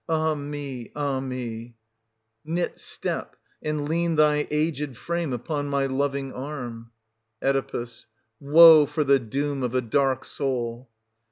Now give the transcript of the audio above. Ah me ! ah me !) knit step, and lean thy aged frame upon my loving arm. Oe. Woe for the doom of a dark soul